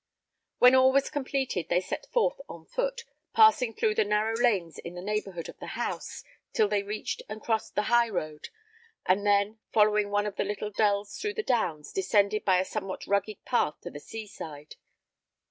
When all was completed, they set forth on foot, passing through the narrow lanes in the neighbourhood of the house, till they reached and crossed the high road, and then, following one of the little dells through the downs, descended by a somewhat rugged path to the sea side.